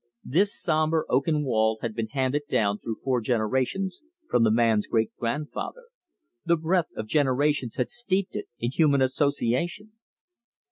This sombre oaken wall had been handed down through four generations from the man's great grandfather: the breath of generations had steeped it in human association.